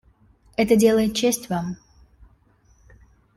Это делает честь Вам.